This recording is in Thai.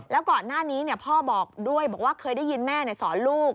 แล้วก่อนหน้านี้พ่อบอกด้วยบอกว่าเคยได้ยินแม่สอนลูก